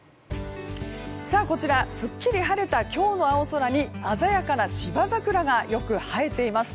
こちら、すっきり晴れた今日の青空に鮮やかな芝桜がよく映えています。